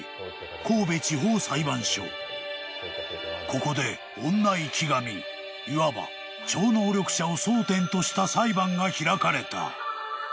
［ここで女生神いわば超能力者を争点とした裁判が開かれた］